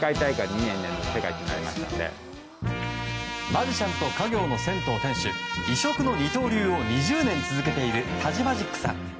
マジシャンと家業の銭湯店主異色の二刀流を２０年続けているタジマジックさん。